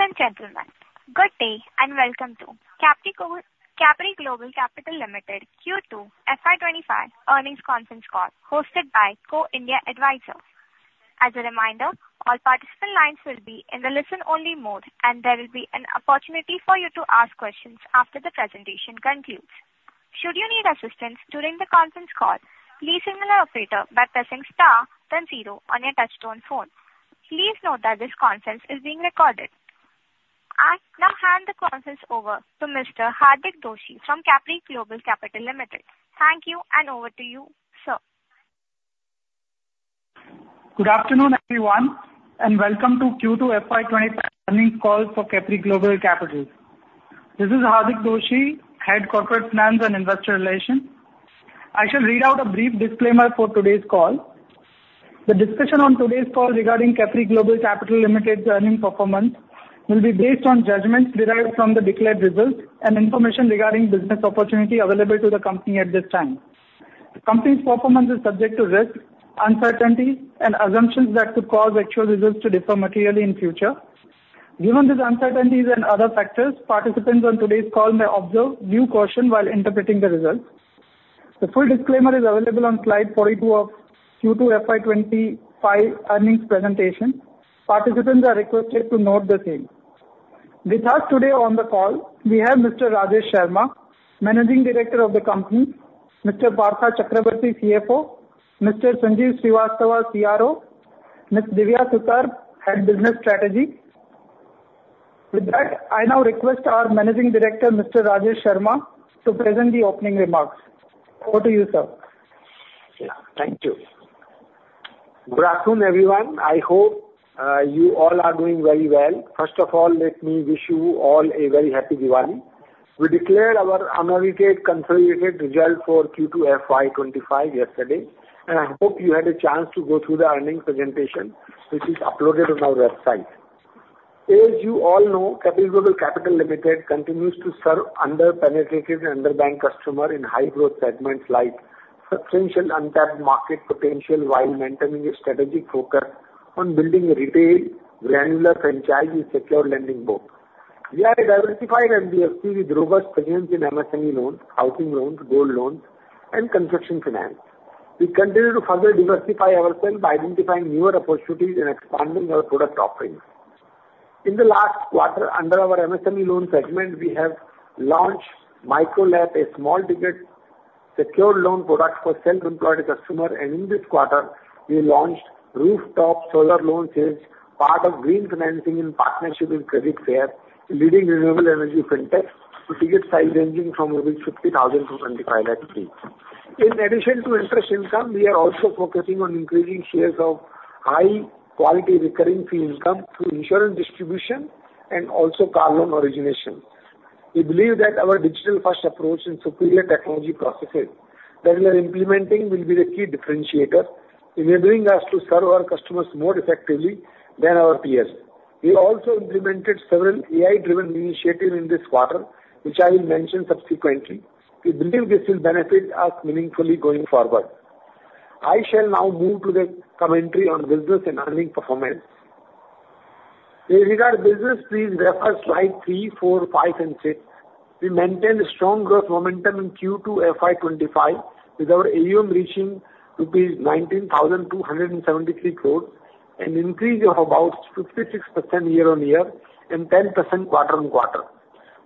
Ladies and gentlemen, good day and welcome to Capri Global Capital Limited Q2 FY 2025 Earnings Conference Call hosted by Go India Advisors. As a reminder, all participant lines will be in the listen-only mode, and there will be an opportunity for you to ask questions after the presentation concludes. Should you need assistance during the conference call, please email our operator by pressing star then zero on your touch-tone phone. Please note that this conference is being recorded. I now hand the conference over to Mr. Hardik Doshi from Capri Global Capital Limited. Thank you, and over to you, sir. Good afternoon, everyone, and welcome to Q2 FY 2025 Earnings Call for Capri Global Capital. This is Hardik Doshi, Head of Corporate Finance and Investor Relations. I shall read out a brief disclaimer for today's call. The discussion on today's call regarding Capri Global Capital Limited's earnings performance will be based on judgments derived from the declared results and information regarding business opportunity available to the company at this time. The company's performance is subject to risk, uncertainty, and assumptions that could cause actual results to differ materially in the future. Given these uncertainties and other factors, participants on today's call may observe due caution while interpreting the results. The full disclaimer is available on slide 42 of Q2 FY 2025 earnings presentation. Participants are requested to note the same. With us today on the call, we have Mr. Rajesh Sharma, Managing Director of the company, Mr. Partha Chakraborty, CFO, Mr. Sanjeev Srivastava, CRO. Ms. Divya Sutar, Head Business Strategy. With that, I now request our Managing Director, Mr. Rajesh Sharma, to present the opening remarks. Over to you, sir. Thank you. Good afternoon, everyone. I hope you all are doing very well. First of all, let me wish you all a very happy Diwali. We declared our unaudited consolidated results for Q2 FY 2025 yesterday, and I hope you had a chance to go through the earnings presentation, which is uploaded on our website. As you all know, Capri Global Capital Limited continues to serve under-penetrated, underbanked customers in high-growth segments like substantial untapped market potential while maintaining a strategic focus on building a retail, granular franchise with secured lending book. We are a diversified NBFC with robust presence in MSME loans, housing loans, gold loans, and construction finance. We continue to further diversify ourselves by identifying newer opportunities and expanding our product offerings. In the last quarter, under our MSME loan segment, we have launched Micro LAP, a small-ticket secured loan product for self-employed customers, and in this quarter, we launched Rooftop Solar Loan Series, part of Green Financing in partnership with Credit Fair, leading renewable energy fintechs with ticket size ranging from rupees 50,000 to 25 lakhs rupees. In addition to interest income, we are also focusing on increasing shares of high-quality recurring fee income through insurance distribution and also car loan origination. We believe that our digital-first approach and superior technology processes that we are implementing will be the key differentiator, enabling us to serve our customers more effectively than our peers. We also implemented several AI-driven initiatives in this quarter, which I will mention subsequently. We believe this will benefit us meaningfully going forward. I shall now move to the commentary on business and earnings performance. With regard to business, please refer to slides 3, 4, 5, and 6. We maintained strong growth momentum in Q2 FY 2025 with our AUM reaching rupees 19,273 crore and an increase of about 56% year-on-year and 10% quarter-on-quarter.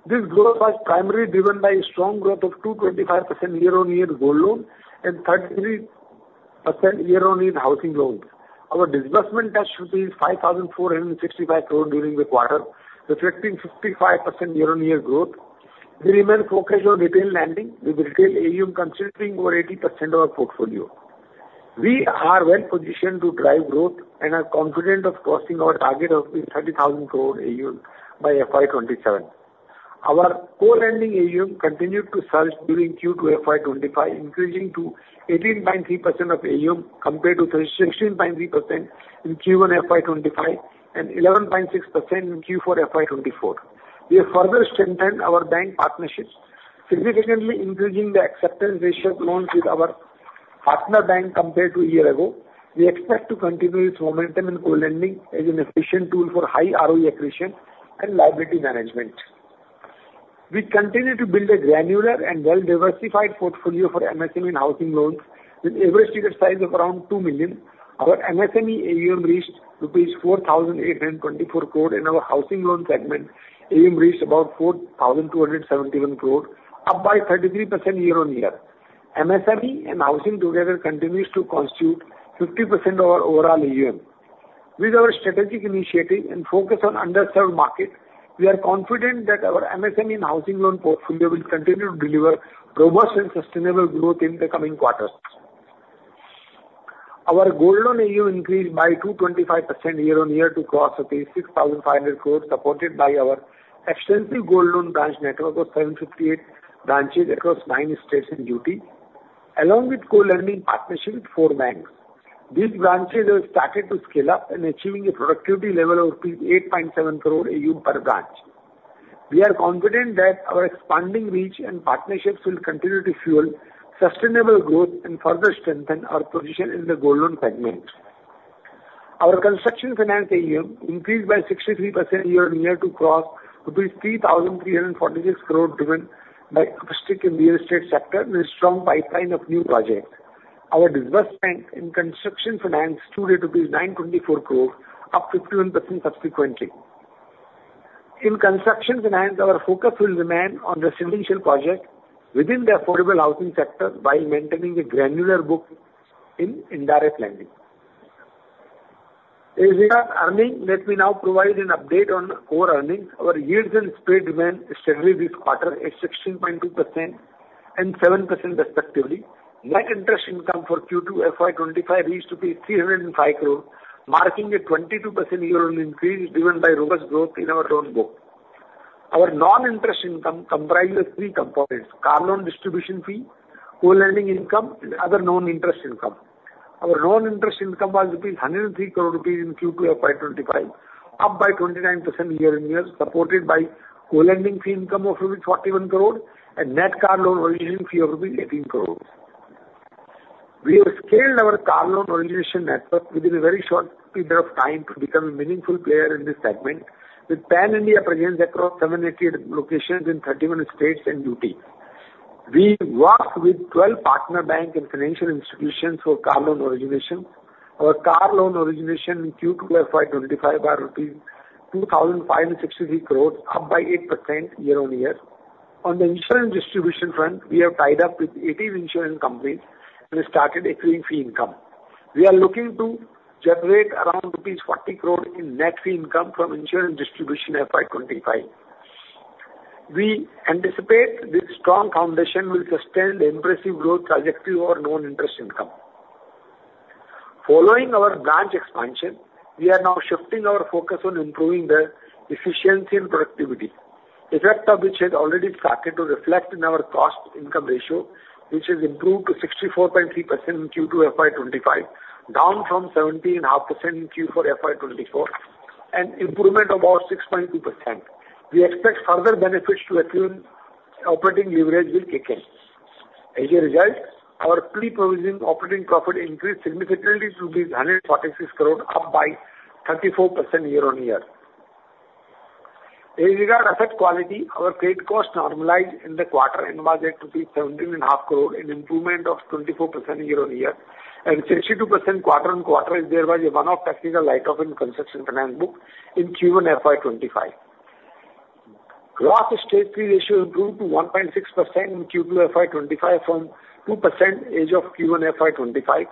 This growth was primarily driven by a strong growth of 225% year-on-year gold loans and 33% year-on-year housing loans. Our disbursement touched 5,465 crore during the quarter, reflecting 55% year-on-year growth. We remain focused on retail lending, with retail AUM constituting over 80% of our portfolio. We are well-positioned to drive growth and are confident of crossing our target of 30,000 crore AUM by FY 2027. Our co-lending AUM continued to surge during Q2 FY 2025, increasing to 18.3% of AUM compared to 16.3% in Q1 FY 2025 and 11.6% in Q4 FY 2024. We have further strengthened our bank partnerships, significantly increasing the acceptance ratio of loans with our partner bank compared to a year ago. We expect to continue this momentum in co-lending as an efficient tool for high ROE accretion and liability management. We continue to build a granular and well-diversified portfolio for MSME housing loans with an average ticket size of around Rs. 2 million. Our MSME AUM reached Rs. 4,824 crore, and our housing loan segment AUM reached about Rs. 4,271 crore, up by 33% year-on-year. MSME and housing together continues to constitute 50% of our overall AUM. With our strategic initiative and focus on underserved markets, we are confident that our MSME and housing loan portfolio will continue to deliver robust and sustainable growth in the coming quarters. Our gold loan AUM increased by 225% year-on-year to cross Rs. 6,500 crore, supported by our extensive gold loan branch network of 758 branches across nine states and UT, along with co-lending partnerships with four banks. These branches have started to scale up and are achieving a productivity level of 8.7 crore AUM per branch. We are confident that our expanding reach and partnerships will continue to fuel sustainable growth and further strengthen our position in the gold loan segment. Our construction finance AUM increased by 63% year-on-year to cross 3,346 crore, driven by uptick in the real estate sector and a strong pipeline of new projects. Our disbursement in construction finance stood at 924 crore, up 51% subsequently. In construction finance, our focus will remain on residential projects within the affordable housing sector while maintaining a granular book in indirect lending. As regards earnings, let me now provide an update on core earnings. Our yields and spread remain steady this quarter at 16.2% and 7% respectively. Net interest income for Q2 FY 2025 reached 305 crore, marking a 22% year-on-year increase driven by robust growth in our loan book. Our non-interest income comprises three components: car loan distribution fee, co-lending income, and other non-interest income. Our non-interest income was 103 crore rupees in Q2 FY 2025, up by 29% year-on-year, supported by co-lending fee income of 41 crore and net car loan origin fee of 18 crore. We have scaled our car loan origination network within a very short period of time to become a meaningful player in this segment, with pan-India presence across 780 locations in 31 states and UT. We work with 12 partner banks and financial institutions for car loan origination. Our car loan origination in Q2 FY 2025 was 2,563 crore, up by 8% year-on-year. On the insurance distribution front, we have tied up with 18 insurance companies and started accruing fee income. We are looking to generate around rupees 40 crore in net fee income from insurance distribution FY 2025. We anticipate this strong foundation will sustain the impressive growth trajectory of our non-interest income. Following our branch expansion, we are now shifting our focus on improving the efficiency and productivity, effect of which has already started to reflect in our cost-to-income ratio, which has improved to 64.3% in Q2 FY 2025, down from 70.5% in Q4 FY 2024, and improvement of about 6.2%. We expect further benefits to accrue in operating leverage with KKN. As a result, our pre-provisioning operating profit increased significantly to 146 crore, up by 34% year-on-year. As regard asset quality, our credit cost normalized in the quarter and was at 17.5 crore, an improvement of 24% year-on-year. A 62% quarter-on-quarter is thereby a one-off technical write-off in construction finance book in Q1 FY 2025. Gross NPA ratio improved to 1.6% in Q2 FY 2025 from 2% as of Q1 FY 2025.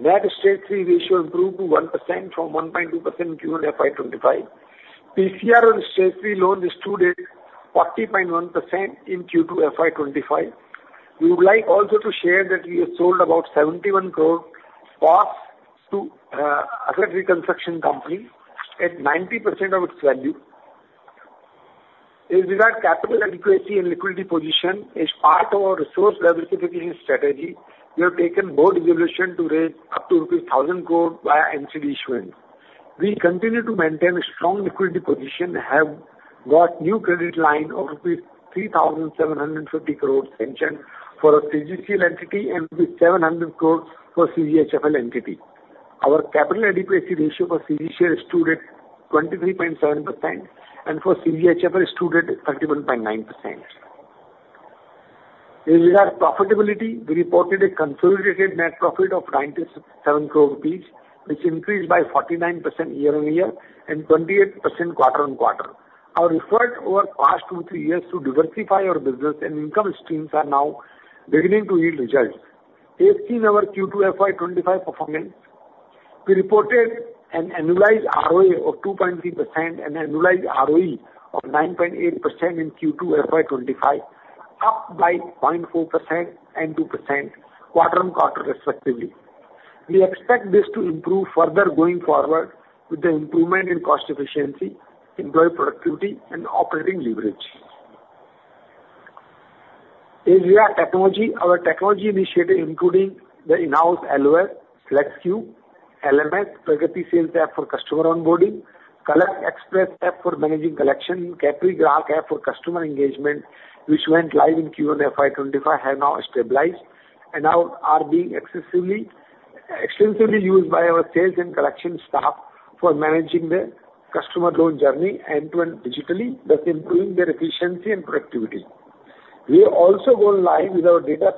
Net NPA ratio improved to 1% from 1.2% in Q1 FY 2025. PCR on Stage 3 loans is today 40.1% in Q2 FY 2025. We would like also to share that we have sold about 71 crore POS to Asset Reconstruction Company at 90% of its value. As regards capital adequacy and liquidity position, as part of our resource diversification strategy, we have taken board resolution to raise up to rupees 1,000 crore via NCD issuance. We continue to maintain a strong liquidity position and have got new credit line of 3,750 crore rupees extension for a CGCL entity and 700 crore for CGHFL entity. Our capital adequacy ratio for CGCL is today 23.7%, and for CGHFL is today 31.9%. As regards profitability, we reported a consolidated net profit of 97 crore rupees, which increased by 49% year-on-year and 28% quarter-on-quarter. Our effort over the past two to three years to diversify our business and income streams are now beginning to yield results. As seen in our Q2 FY 2025 performance, we reported an annualized ROA of 2.3% and an annualized ROE of 9.8% in Q2 FY 2025, up by 0.4% and 2% quarter-on-quarter respectively. We expect this to improve further going forward with the improvement in cost efficiency, employee productivity, and operating leverage. As regards technology, our technology initiative, including the in-house LOS, SelectQ, LMS, Pragati Sales App for customer onboarding, Collect Express App for managing collection, and CapriGrah App for customer engagement, which went live in Q1 FY 2025, have now stabilized and are being extensively used by our sales and collection staff for managing the customer loan journey end-to-end digitally, thus improving their efficiency and productivity. We have also gone live with our data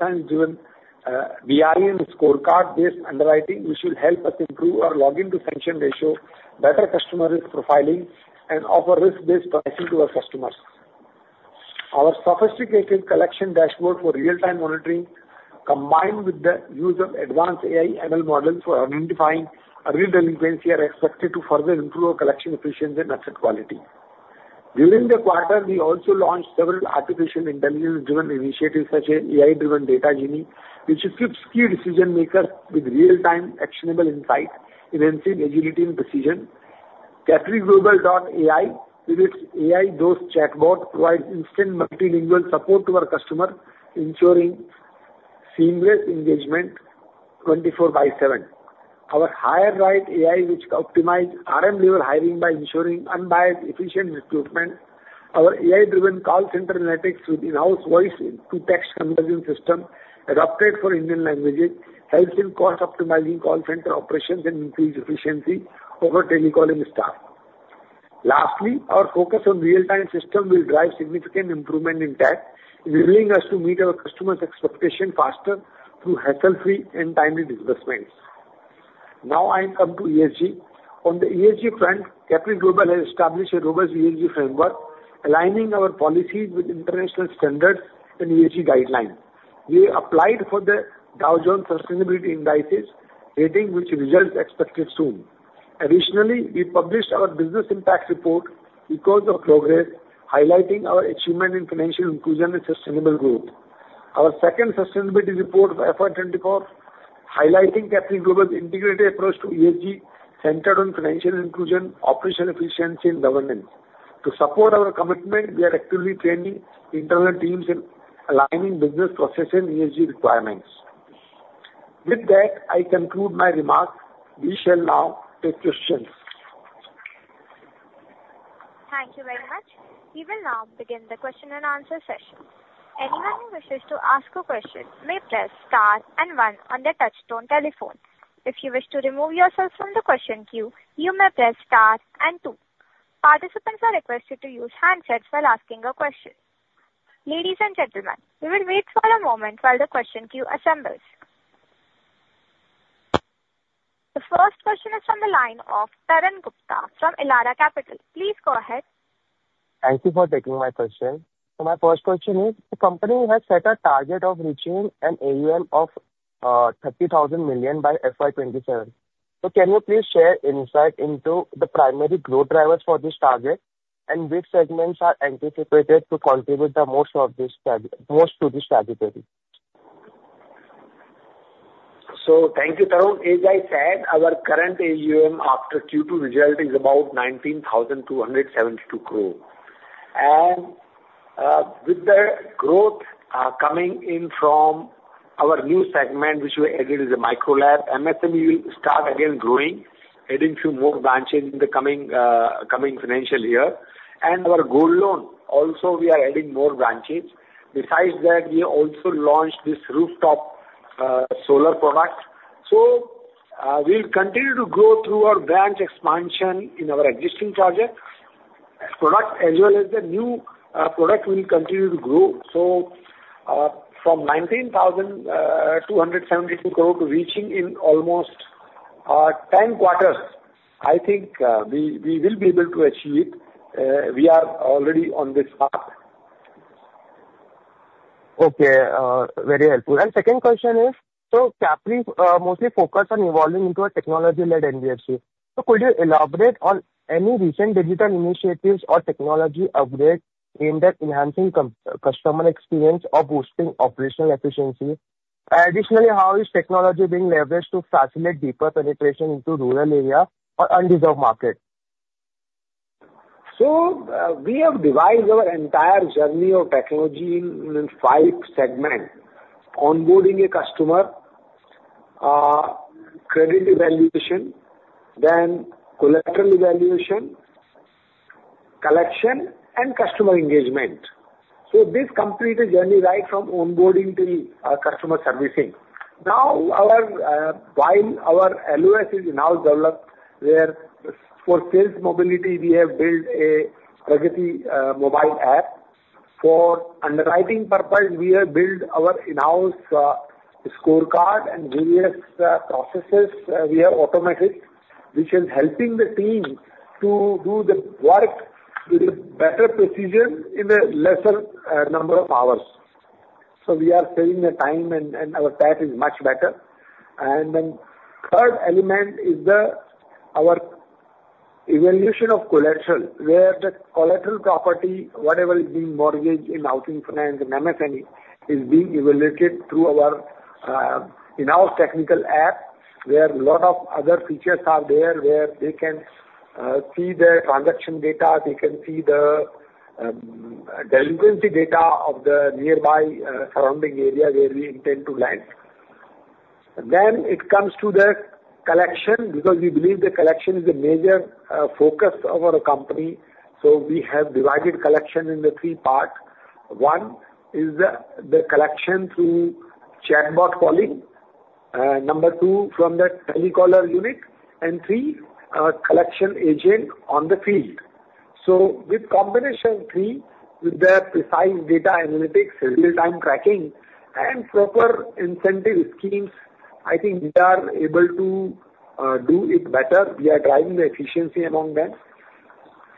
science-driven BRE and scorecard-based underwriting, which will help us improve our login-to-sanction ratio, better customer risk profiling, and offer risk-based pricing to our customers. Our sophisticated collection dashboard for real-time monitoring, combined with the use of advanced AI/ML models for identifying early delinquency, are expected to further improve our collection efficiency and asset quality. During the quarter, we also launched several artificial intelligence-driven initiatives such as AI-driven Data Genie, which equips key decision-makers with real-time actionable insights enhancing agility and precision. Capri Global.ai, with its AI Dost chatbot, provides instant multilingual support to our customers, ensuring seamless engagement 24/7. Our Hire Right AI, which optimizes RM-level hiring by ensuring unbiased, efficient recruitment. Our AI-driven call center analytics with in-house voice-to-text conversion system adapted for Indian languages helps in cost-optimizing call center operations and increases efficiency over telecalling staff. Lastly, our focus on real-time system will drive significant improvement in tech, enabling us to meet our customers' expectations faster through hassle-free and timely disbursements. Now I come to ESG. On the ESG front, Capri Global has established a robust ESG framework, aligning our policies with international standards and ESG guidelines. We applied for the Dow Jones Sustainability Indices rating, with results expected soon. Additionally, we published our Business Impact Report 'Business of Progress', highlighting our achievement in financial inclusion and sustainable growth. Our second sustainability report for FY 2024 highlighted Capri Global's integrated approach to ESG, centered on financial inclusion, operational efficiency, and governance. To support our commitment, we are actively training internal teams and aligning business processes and ESG requirements. With that, I conclude my remarks. We shall now take questions. Thank you very much. We will now begin the question and answer session. Anyone who wishes to ask a question may press star and one on their touch-tone telephone. If you wish to remove yourself from the question queue, you may press star and two. Participants are requested to use handsets while asking a question. Ladies and gentlemen, we will wait for a moment while the question queue assembles. The first question is from the line of Taran Gupta from Elara Capital. Please go ahead. Thank you for taking my question. So my first question is, the company has set a target of reaching an AUM of 30,000 million by FY 2027. So can you please share insight into the primary growth drivers for this target and which segments are anticipated to contribute the most to this trajectory? So thank you, Taran. As I said, our current AUM after Q2 result is about 19,272 crore. And with the growth coming in from our new segment, which we added as a Micro LAP, MSME will start again growing, adding a few more branches in the coming financial year. And our gold loan, also we are adding more branches. Besides that, we also launched this rooftop solar product. So we'll continue to grow through our branch expansion in our existing product, as well as the new product will continue to grow. From 19,272 crore to reaching in almost 10 quarters, I think we will be able to achieve. We are already on this path. Okay, very helpful. And second question is, so Capri mostly focused on evolving into a technology-led NBFC. So could you elaborate on any recent digital initiatives or technology upgrades aimed at enhancing customer experience or boosting operational efficiency? Additionally, how is technology being leveraged to facilitate deeper penetration into rural area or underserved markets? We have devised our entire journey of technology in five segments: onboarding a customer, credit evaluation, then collateral evaluation, collection, and customer engagement. This completes the journey right from onboarding to customer servicing. Now, while our LOS is in-house developed, where for sales mobility, we have built a Pragati mobile app. For underwriting purposes, we have built our in-house scorecard and various processes we have automated, which is helping the team to do the work with better precision in a lesser number of hours, so we are saving the time, and our pace is much better, and then third element is our evaluation of collateral, where the collateral property, whatever is being mortgaged in housing finance and MSME, is being evaluated through our in-house technical app, where a lot of other features are there, where they can see the transaction data, they can see the delinquency data of the nearby surrounding area where we intend to lend, then it comes to the collection because we believe the collection is the major focus of our company, so we have divided collection into three parts. One is the collection through chatbot calling, number two from the telecaller unit, and three collection agent on the field. So with combination of three, with the precise data analytics, real-time tracking, and proper incentive schemes, I think we are able to do it better. We are driving the efficiency among them.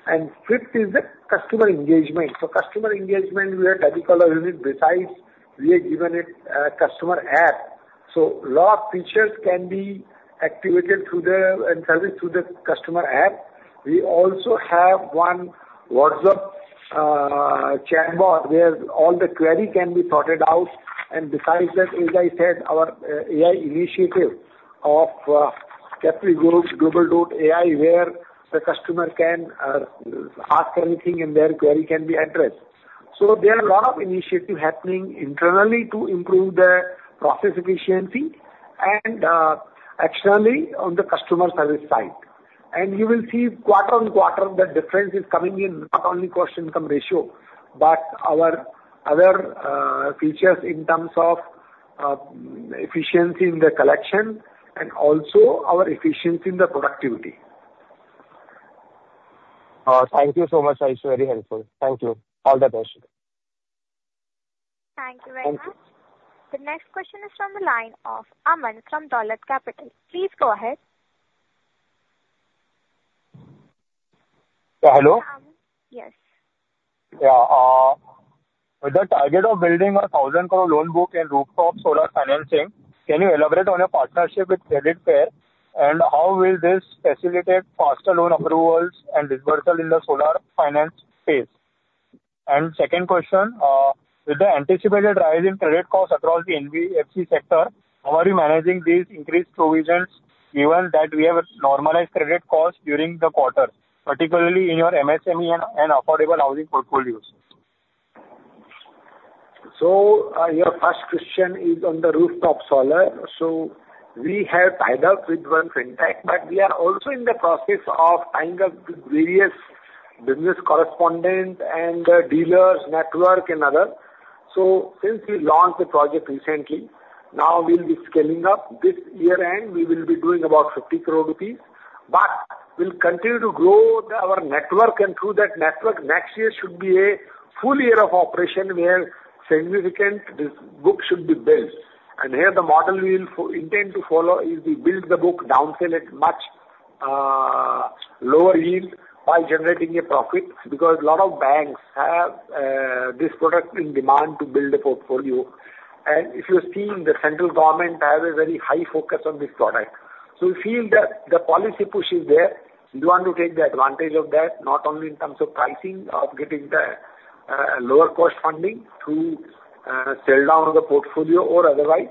And fifth is the customer engagement. For customer engagement, we have telecaller unit. Besides, we have given it a customer app. So a lot of features can be activated and serviced through the customer app. We also have one WhatsApp chatbot where all the queries can be sorted out. And besides that, as I said, our AI initiative of Capri Global.ai, where the customer can ask anything and their query can be addressed. So there are a lot of initiatives happening internally to improve the process efficiency and externally on the customer service side. And you will see quarter on quarter, the difference is coming in not only cost-to-income ratio, but our other features in terms of efficiency in the collection and also our efficiency in the productivity. Thank you so much. Very helpful. Thank you. All the best. Thank you very much. The next question is from the line of Aman from Dolat Capital. Please go ahead. Yeah, hello? Yes. Yeah. With the target of building a thousand crore loan book and rooftop solar financing, can you elaborate on your partnership with Credit Fair? And how will this facilitate faster loan approvals and disbursal in the solar finance phase? And second question, with the anticipated rise in credit costs across the NBFC sector, how are you managing these increased provisions given that we have normalized credit costs during the quarter, particularly in your MSME and affordable housing portfolios? Your first question is on the rooftop solar. We have tied up with one fintech, but we are also in the process of tying up with various business correspondents and dealers' network and others. Since we launched the project recently, now we'll be scaling up. This year-end, we will be doing about 50 crore rupees, but we'll continue to grow our network, and through that network, next year should be a full year of operation where significant books should be built. And here the model we intend to follow is we build the book, downsell it much lower yield while generating a profit because a lot of banks have this product in demand to build a portfolio. And if you're seeing the central government have a very high focus on this product. We feel that the policy push is there. We want to take the advantage of that, not only in terms of pricing of getting the lower-cost funding through sell down of the portfolio or otherwise.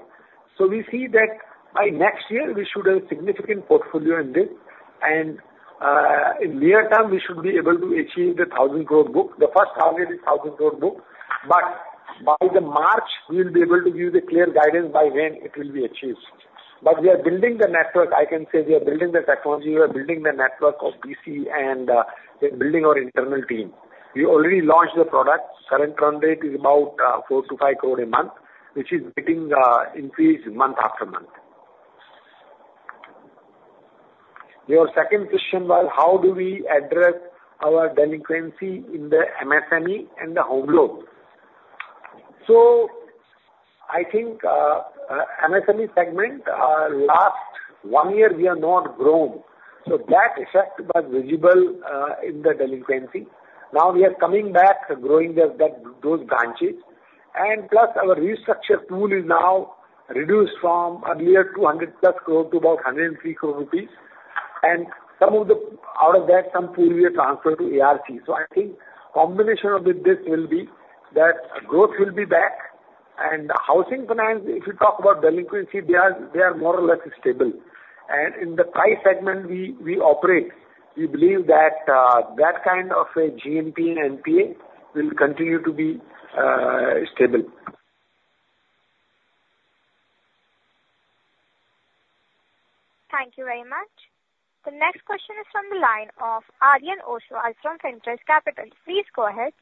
We see that by next year, we should have a significant portfolio in this. In the near term, we should be able to achieve the 1,000-crore book. The first target is 1,000-crore book. By March, we'll be able to give you the clear guidance by when it will be achieved. We are building the network. I can say we are building the technology. We are building the network of BC and building our internal team. We already launched the product. Current run rate is about 4-5 crore a month, which is getting increased month after month. Your second question was, how do we address our delinquency in the MSME and the home loan? So I think MSME segment, last one year, we have not grown. So that effect was visible in the delinquency. Now we are coming back, growing those branches. And plus, our restructure pool is now reduced from earlier 200-plus crore rupees to about 103 crore rupees. And out of that, some pool we have transferred to ARC. So I think combination of this will be that growth will be back. And housing finance, if you talk about delinquency, they are more or less stable. And in the price segment we operate, we believe that that kind of a GNP and NPA will continue to be stable. Thank you very much. The next question is from the line of Aryan Oswal from Fintrust Capital. Please go ahead.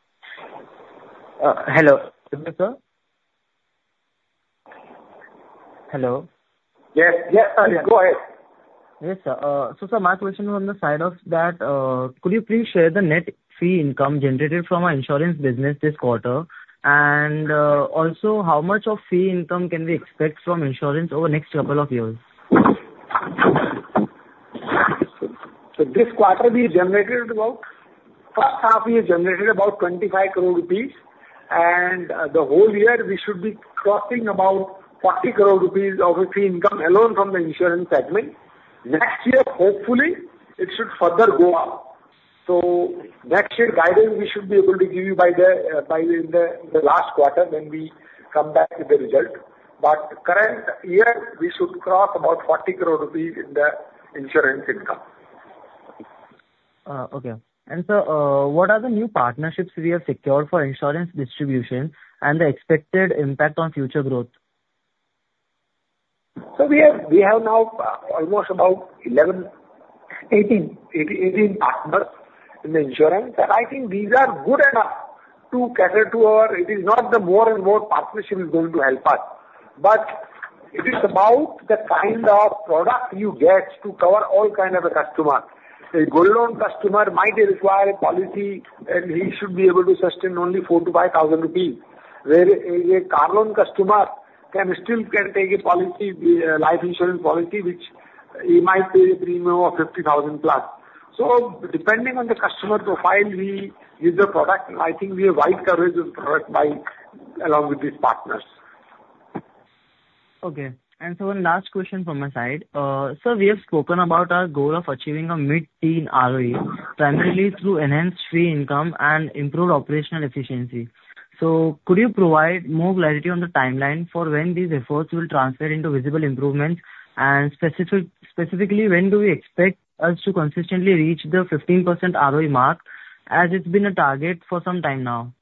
Hello. Hello, sir. Hello. Yes, yes, Aryan. Go ahead. Yes, sir. So sir, my question was on the side of that. Could you please share the net fee income generated from our insurance business this quarter? And also, how much of fee income can we expect from insurance over the next couple of years? So, this quarter, in the first half, we generated about 25 crore rupees. And the whole year, we should be crossing about 40 crore rupees of a fee income alone from the insurance segment. Next year, hopefully, it should further go up. So, next year's guidance, we should be able to give you by the last quarter when we come back with the result. But current year, we should cross about 40 crore rupees in the insurance income. Okay. And sir, what are the new partnerships we have secured for insurance distribution and the expected impact on future growth? So, we have now almost about 11, 18 partners in the insurance. I think these are good enough to cater to our needs. It is not that more and more partnerships are going to help us. But it is about the kind of product you get to cover all kinds of customers. A gold loan customer might require a policy, and he should be able to sustain only 4,000-5,000 rupees. Whereas a car loan customer can still take a policy life insurance policy, which he might pay a premium of 50,000 plus. So depending on the customer profile, we use the product. And I think we have wide coverage of the product along with these partners. Okay. One last question from my side. We have spoken about our goal of achieving a mid-teen ROE, primarily through enhanced fee income and improved operational efficiency. So could you provide more clarity on the timeline for when these efforts will transfer into visible improvements? And specifically, when do we expect us to consistently reach the 15% ROE mark, as it's been a target for some time now?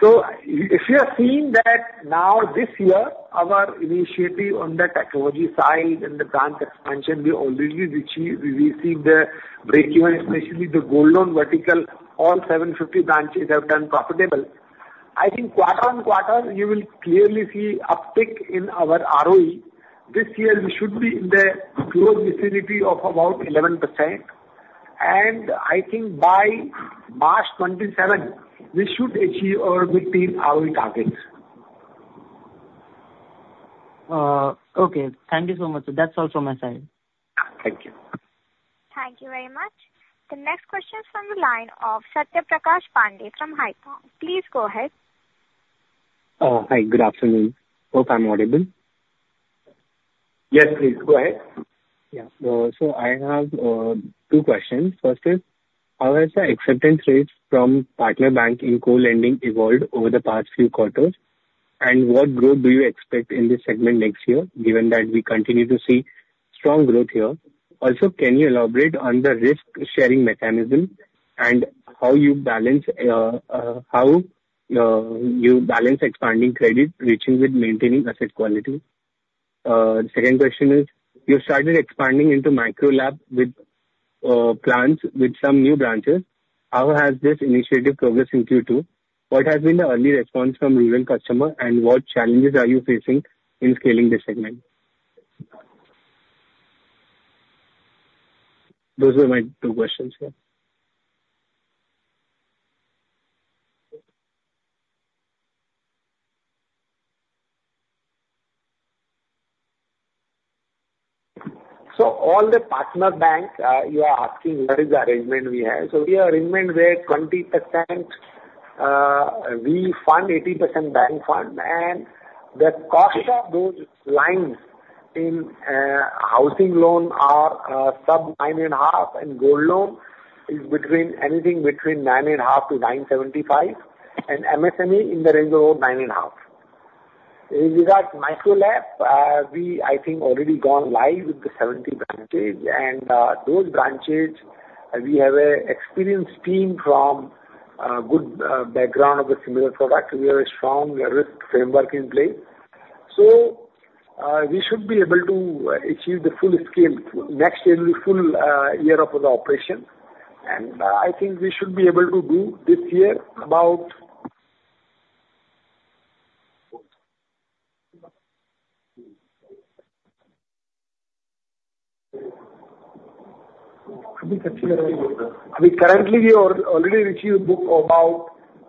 So if you have seen that now this year, our initiative on the technology side and the branch expansion, we already received the breakeven, especially the gold loan vertical. All 750 branches have done profitable. I think quarter on quarter, you will clearly see an uptick in our ROE. This year, we should be in the close vicinity of about 11%. And I think by March 2027, we should achieve our mid-teen ROE targets. Okay. Thank you so much. That's all from my side. Thank you. Thank you very much. The next question is from the line of Satyaprakash Pandey from Haitong. Please go ahead. Oh, hi. Good afternoon. Hope I'm audible. Yes, please. Go ahead. Yeah. So I have two questions. First is, how has the acceptance rate from partner bank in co-lending evolved over the past few quarters? And what growth do you expect in this segment next year, given that we continue to see strong growth here? Also, can you elaborate on the risk-sharing mechanism and how you balance expanding credit reaching with maintaining asset quality? The second question is, you started expanding into Micro LAP with plans with some new branches. How has this initiative progressed into Q2? What has been the early response from rural customers, and what challenges are you facing in scaling this segment? Those were my two questions here. So on the partner bank, you are asking what is the arrangement we have. So we have arrangement where 20% we fund, 80% bank fund. And the cost of those lines in housing loan are sub-9.5%, and gold loan is anything between 9.5% to 9.75%, and MSME in the range of 9.5%. With that, Micro LAP, we I think already gone live with the 70 branches. And those branches, we have an experienced team from good background of a similar product. We have a strong risk framework in place. So we should be able to achieve the full scale next year, the full year of the operation. And I think we should be able to do this year about I think currently we already received a book of about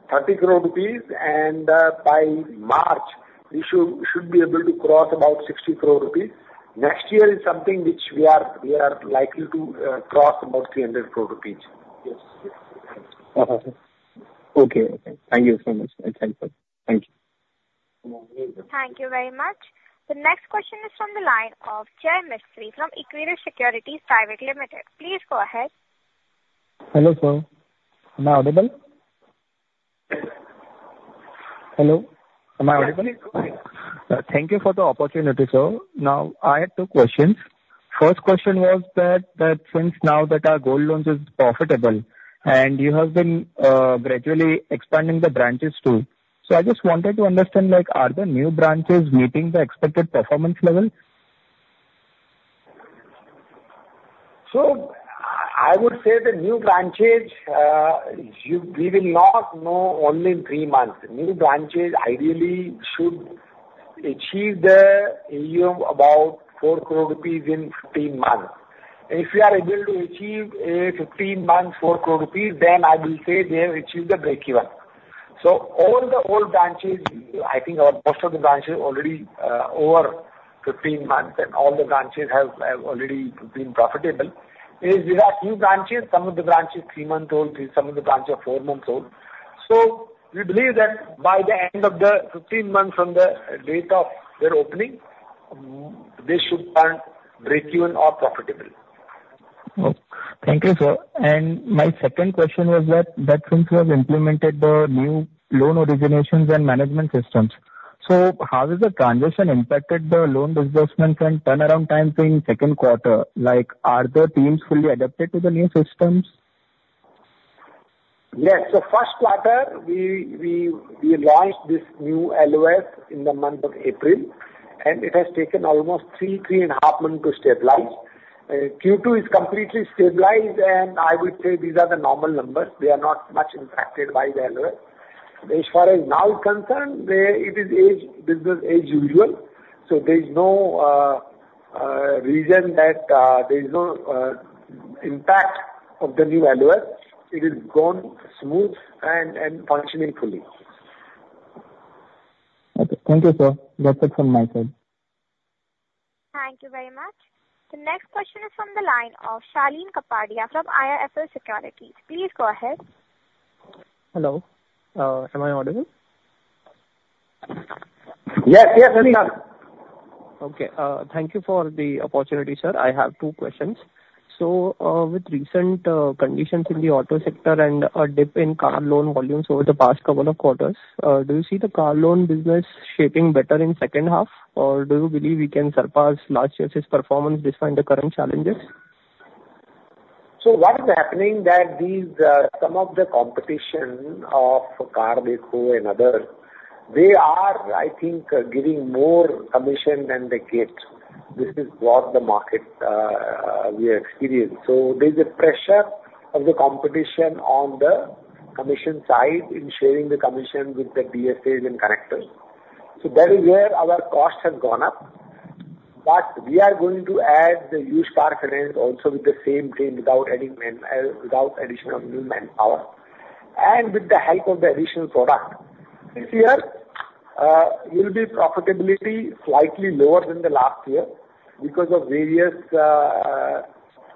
30 crore rupees. And by March, we should be able to cross about 60 crore rupees. Next year is something which we are likely to cross about 300 crore rupees. Okay. Okay. Thank you so much. That's helpful. Thank you. Thank you very much. The next question is from the line of Jay Mistry from Equirus Securities Private Limited. Please go ahead. Hello sir. Am I audible? Hello? Am I audible? Thank you for the opportunity, sir. Now, I had two questions. First question was that since now that our gold loans is profitable, and you have been gradually expanding the branches too, so I just wanted to understand, are the new branches meeting the expected performance level? So I would say the new branches, we will not know only in three months. New branches ideally should achieve the AUM of about four crore rupees in 15 months. If we are able to achieve a 15-month four crore rupees, then I will say they have achieved the breakeven. So all the old branches, I think most of the branches are already over 15 months, and all the branches have already been profitable. There are a few branches, some of the branches are three-month-old, some of the branches are four-month-old. So we believe that by the end of the 15 months from the date of their opening, they should turn breakeven or profitable. Thank you, sir. And my second question was that since you have implemented the new loan originations and management systems, so how has the transition impacted the loan disbursement and turnaround time in second quarter? Are the teams fully adapted to the new systems? Yes. So first quarter, we launched this new LOS in the month of April, and it has taken almost three, three and a half months to stabilize. Q2 is completely stabilized, and I would say these are the normal numbers. They are not much impacted by the LOS. As far as now is concerned, it is business as usual. So there is no reason that there is no impact of the new LOS. It has gone smooth and functioning fully. Okay. Thank you, sir. That's it from my side. Thank you very much. The next question is from the line of Shalin Kapadia from IIFL Securities. Please go ahead. Hello. Am I audible? Yes, yes, sir. Okay. Thank you for the opportunity, sir. I have two questions. So with recent conditions in the auto sector and a dip in car loan volumes over the past couple of quarters, do you see the car loan business shaping better in second half, or do you believe we can surpass last year's performance despite the current challenges? So what is happening that some of the competition of CarDekho and others, they are, I think, giving more commission than they get. This is what the market we have experienced. So there is a pressure of the competition on the commission side in sharing the commission with the DSAs and connectors. So that is where our cost has gone up. But we are going to add the used car finance also with the same team without additional new manpower. And with the help of the additional product, this year, it will be profitability slightly lower than the last year because of various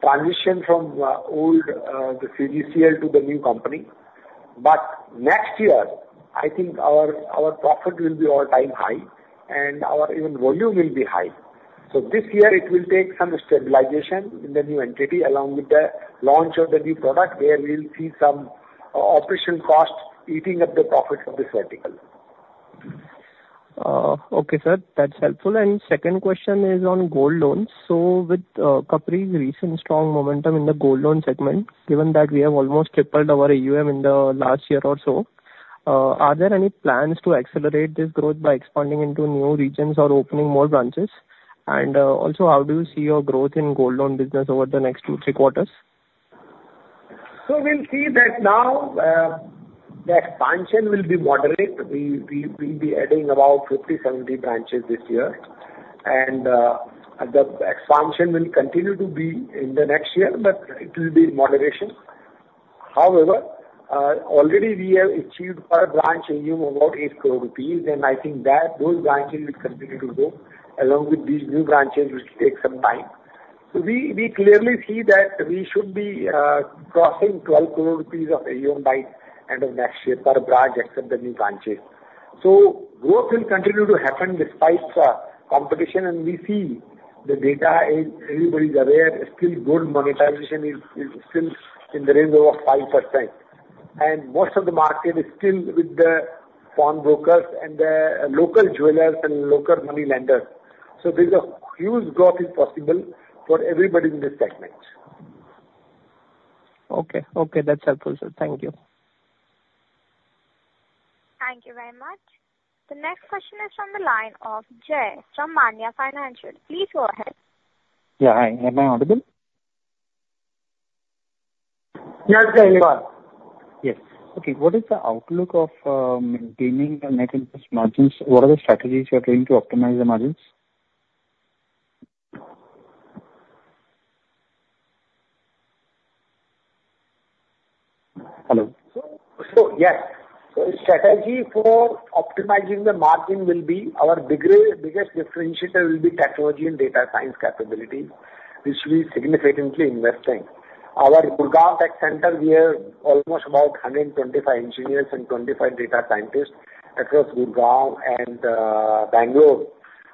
transition from old CGCL to the new company. But next year, I think our profit will be all-time high, and our even volume will be high. This year, it will take some stabilization in the new entity along with the launch of the new product, where we'll see some operational cost eating up the profit of this vertical. Okay, sir. That's helpful. And second question is on gold loans. With Capri's recent strong momentum in the gold loan segment, given that we have almost tripled our AUM in the last year or so, are there any plans to accelerate this growth by expanding into new regions or opening more branches? And also, how do you see your growth in gold loan business over the next two-three quarters? We'll see that now the expansion will be moderate. We will be adding about 50-70 branches this year. And the expansion will continue to be in the next year, but it will be in moderation. However, already we have achieved per branch AUM of about eight crore rupees, and I think that those branches will continue to grow along with these new branches, which take some time. So we clearly see that we should be crossing 12 crore rupees of AUM by the end of next year per branch except the new branches. So growth will continue to happen despite competition, and we see the data is everybody's aware is still good. Monetization is still in the range of 5%. And most of the market is still with the foreign brokers and the local jewelers and local money lenders. So there's a huge growth is possible for everybody in this segment. Okay. Okay. That's helpful, sir. Thank you. Thank you very much. The next question is from the line of Jay from Manya Financial. Please go ahead. Yeah. Hi. Am I audible? Yes, sir. Yes. Okay. What is the outlook of maintaining net interest margins? What are the strategies you are trying to optimize the margins? Hello. So yes. So the strategy for optimizing the margin will be our biggest differentiator will be technology and data science capabilities, which we significantly invest in. Our Gurugram Tech Center, we have almost about 125 engineers and 25 data scientists across Gurugram and Bengaluru.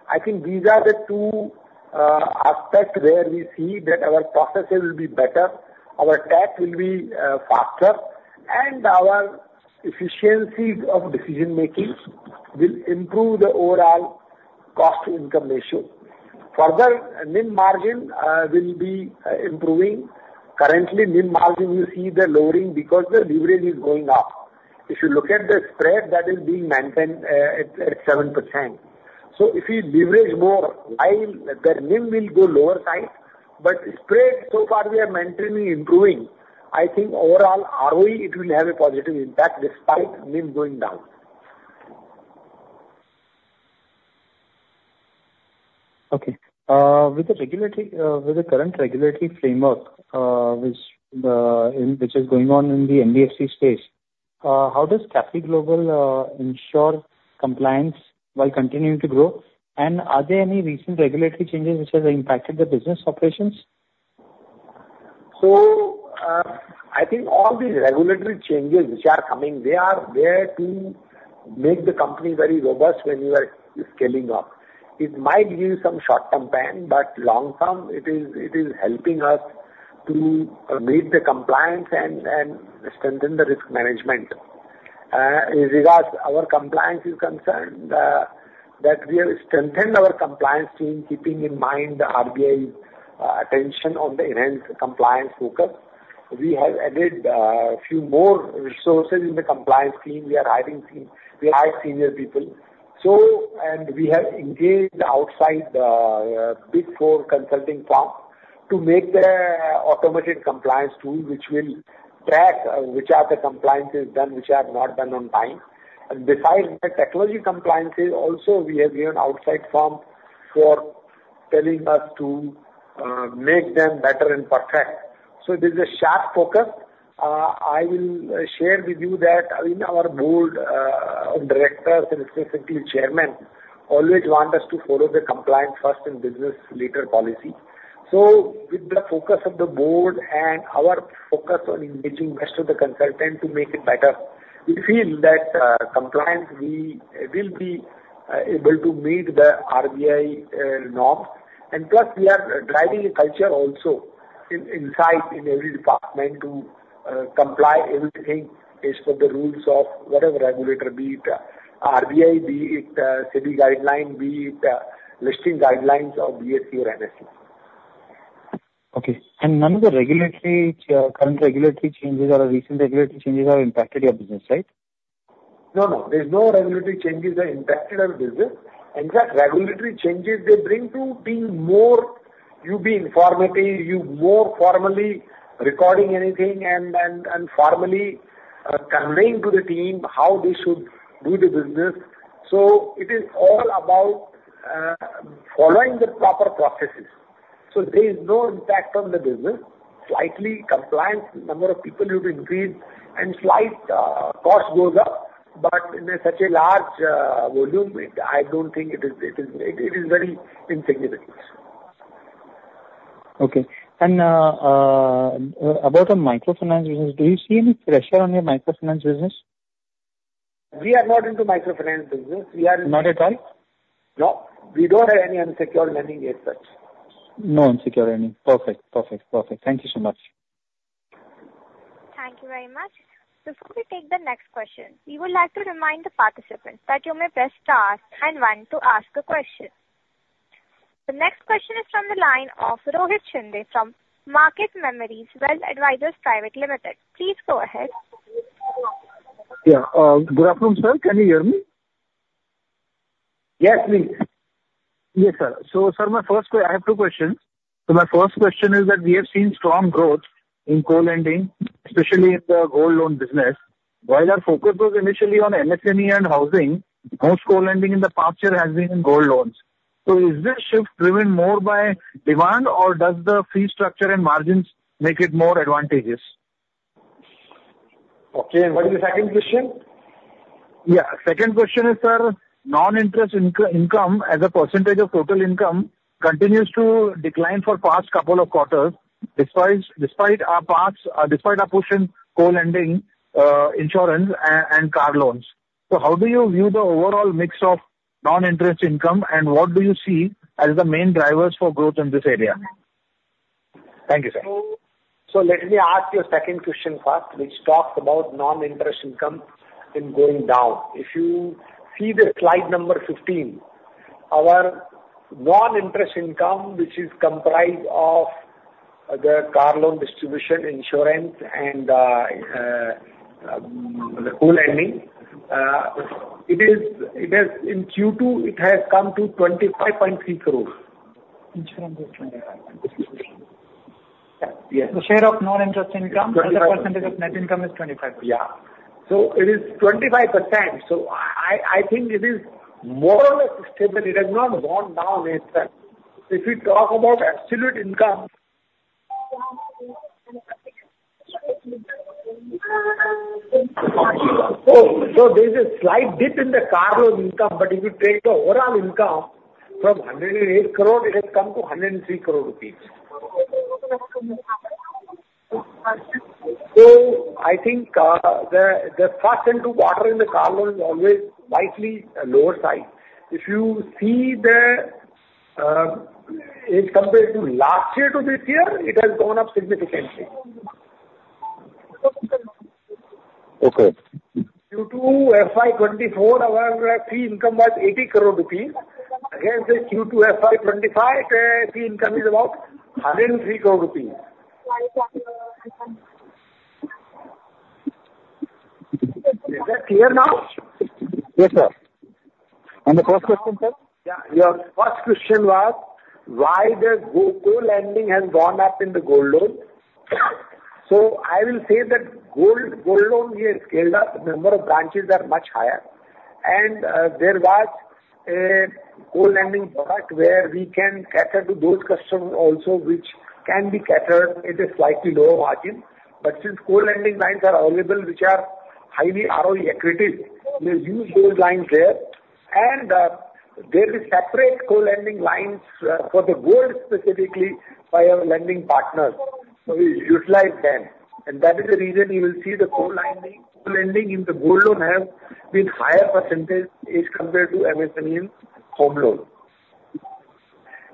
I think these are the two aspects where we see that our processes will be better, our tech will be faster, and our efficiency of decision-making will improve the overall cost-to-income ratio. Further, NIM margin will be improving. Currently, NIM margin, you see the lowering because the leverage is going up. If you look at the spread, that is being maintained at 7%. So if we leverage more, the NIM will go lower side, but spread so far we are maintaining improving. I think overall ROE, it will have a positive impact despite NIM going down. Okay. With the current regulatory framework, which is going on in the NBFC space, how does Capri Global ensure compliance while continuing to grow? And are there any recent regulatory changes which have impacted the business operations? So I think all these regulatory changes which are coming, they are there to make the company very robust when you are scaling up. It might give you some short-term pain, but long-term, it is helping us to meet the compliance and strengthen the risk management. In regards to our compliance is concerned, that we have strengthened our compliance team, keeping in mind the RBI's attention on the enhanced compliance focus. We have added a few more resources in the compliance team. We are hiring senior people. We have engaged outside the Big Four consulting firm to make the automated compliance tool, which will track which are the compliances done, which are not done on time. And besides the technology compliances, also we have given outside firms for telling us to make them better and perfect. So there's a sharp focus. I will share with you that our board of directors, and specifically chairmen, always want us to follow the compliance first and business leader policy. So with the focus of the board and our focus on engaging the best of the consultant to make it better, we feel that compliance, we will be able to meet the RBI norms. And plus, we are driving a culture also inside in every department to comply everything based on the rules of whatever regulator, be it RBI, be it SEBI guideline, be it listing guidelines or BSE or NSE. Okay. And none of the current regulatory changes or recent regulatory changes have impacted your business, right? No, no. There's no regulatory changes that impacted our business. In fact, regulatory changes, they bring to being more you be informative, you more formally recording anything and formally conveying to the team how they should do the business. So it is all about following the proper processes. So there is no impact on the business. Slightly compliance number of people will increase and slight cost goes up, but in such a large volume, I don't think it is very insignificant. Okay. And about the microfinance business, do you see any pressure on your microfinance business? We are not into microfinance business. We are in. Not at all? No. We don't have any unsecured money yet such. No unsecured money. Perfect. Perfect. Perfect. Thank you so much. Thank you very much. Before we take the next question, we would like to remind the participants that you may press star and one to ask a question. The next question is from the line of Rohit shinde from Market Memories Wealth Advisors Private Limited. Please go ahead. Yeah. Good afternoon, sir. Can you hear me? Yes, please. Yes, sir. So sir, my first question I have two questions. So my first question is that we have seen strong growth in co-lending, especially in the gold loan business. While our focus was initially on MSME and housing, most co-lending in the past year has been in gold loans. So is this shift driven more by demand, or does the fee structure and margins make it more advantageous? Okay. And what is the second question? Yeah. Second question is, sir, non-interest income as a percentage of total income continues to decline for past couple of quarters despite our push in co-lending, insurance, and car loans. So how do you view the overall mix of non-interest income, and what do you see as the main drivers for growth in this area? Thank you, sir. So let me ask you a second question first, which talks about non-interest income in going down. If you see the slide number 15, our non-interest income, which is comprised of the car loan distribution, insurance, and co-lending, it is in Q2, it has come to 25.3 crore. Insurance is 25.3 crore. Yes. The share of non-interest income, 25% of net income is 25%. Yeah. So it is 25%. So I think it is more or less stable. It has not gone down yet, sir. If we talk about absolute income. So there's a slight dip in the car loan income, but if you take the overall income from 108 crore, it has come to 103 crore rupees. So I think the first and two quarter in the car loan is always slightly lower side. If you see the. In comparison to last year to this year, it has gone up significantly. Okay. Q2 FY 2024, our fee income was 80 crore rupees. Again, Q2 FY 2025, fee income is about 103 crore rupees. Is that clear now? Yes, sir. And the first question, sir? Yeah. Your first question was, why does co-lending have gone up in the gold loan? So I will say that gold loan here scaled up. The number of branches are much higher, and there was a co-lending product where we can cater to those customers also, which can be catered at a slightly lower margin, but since co-lending lines are available, which are highly ROE equity, we'll use those lines there, and there is separate co-lending lines for the gold specifically by our lending partners, so we utilize them, and that is the reason you will see the co-lending in the gold loan has been higher percentage as compared to MSME home loan,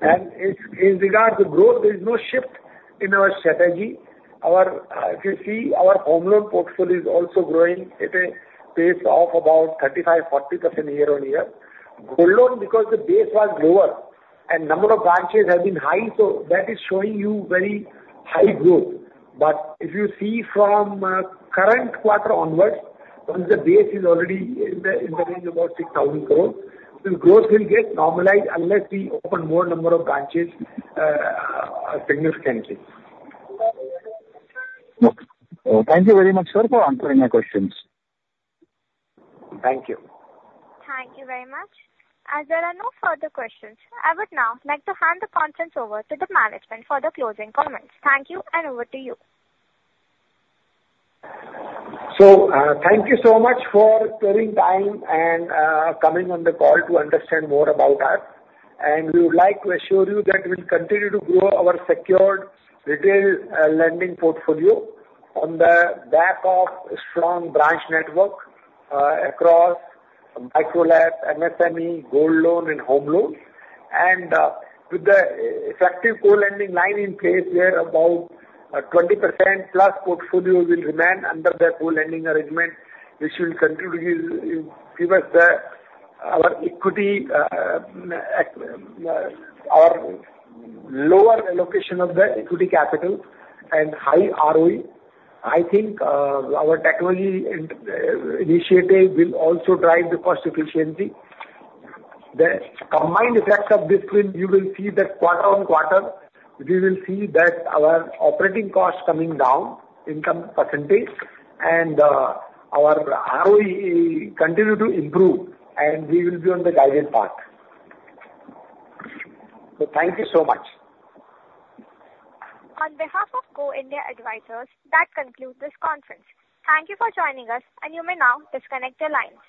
and in regards to growth, there is no shift in our strategy. If you see, our home loan portfolio is also growing at a pace of about 35%-40% year on year. Gold loan, because the base was lower and number of branches have been high, so that is showing you very high growth. But if you see from current quarter onwards, the base is already in the range of about 6,000 crore. The growth will get normalized unless we open more number of branches significantly. Okay. Thank you very much, sir, for answering my questions. Thank you. Thank you very much. As there are no further questions, I would now like to hand the conference over to the management for the closing comments. Thank you, and over to you. So thank you so much for spending time and coming on the call to understand more about us. And we would like to assure you that we will continue to grow our secured retail lending portfolio on the back of strong branch network across Micro LAP, MSME, gold loan, and home loan. And with the effective co-lending line in place, where about 20% plus portfolio will remain under the co-lending arrangement, which will continue to give us our equity, our lower allocation of the equity capital and high ROE. I think our technology initiative will also drive the cost efficiency. The combined effects of this will. You will see that quarter on quarter, we will see that our operating cost coming down, income percentage, and our ROE continue to improve, and we will be on the guided path. Thank you so much. On behalf of Go India Advisors, that concludes this conference. Thank you for joining us, and you may now disconnect your lines.